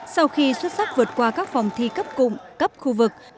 sau khi xuất sắc vượt qua các vòng thi cấp cụng cấp khu vực